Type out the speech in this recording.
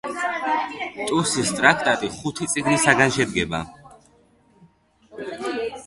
ტუსის ტრაქტატი ხუთი წიგნისაგან შედგება.